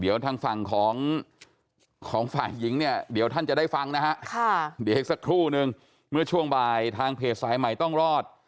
เดี๋ยวทางฝั่งของฝ่ายหญิงเนี่ยเดี๋ยวท่านจะได้ฟังนะฮะเดี๋ยวอีกสักครู่นึงเมื่อช่วงบ่ายทางเพจสายใหม่ต้องรอด